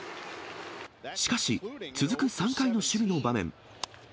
しかし、続く３回の守備の場面。